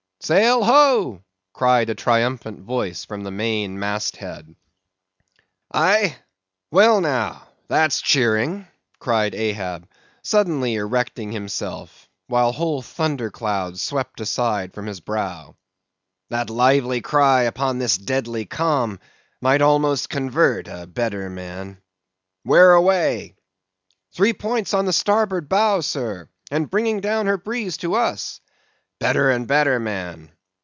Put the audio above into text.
"Sail ho!" cried a triumphant voice from the main mast head. "Aye? Well, now, that's cheering," cried Ahab, suddenly erecting himself, while whole thunder clouds swept aside from his brow. "That lively cry upon this deadly calm might almost convert a better man.—Where away?" "Three points on the starboard bow, sir, and bringing down her breeze to us! "Better and better, man.